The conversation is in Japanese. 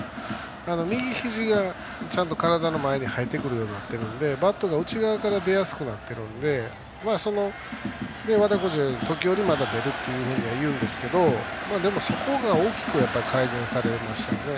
右ひじがちゃんと体の前に入ってくるようになってるのでバットが内側から出やすくなっているので和田コーチが言う時折まだ出るって言うんですけど、そこが大きく改善されましたね。